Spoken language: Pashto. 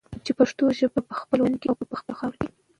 چې پښتو ژبه په خپل وطن کې او په خپله خاوره کې